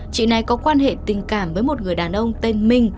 chị này có quan hệ tình cảm với một người đàn ông tên minh